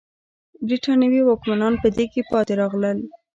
برېټانوي واکمنان په دې کې پاتې راغلل.